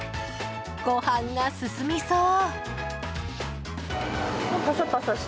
ご飯が進みそう！